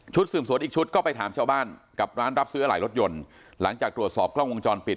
สืบสวนอีกชุดก็ไปถามชาวบ้านกับร้านรับซื้ออะไรรถยนต์หลังจากตรวจสอบกล้องวงจรปิด